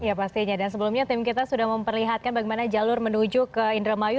ya pastinya dan sebelumnya tim kita sudah memperlihatkan bagaimana jalur menuju ke indramayu